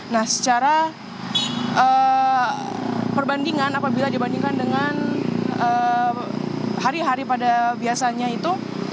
nah secara perbandingan apabila dibandingkan dengan hari hari pada biasanya itu